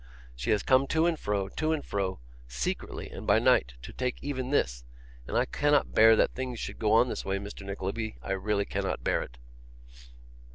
She has come to and fro, to and fro, secretly and by night, to take even this; and I cannot bear that things should go on in this way, Mr Nickleby, I really cannot bear it.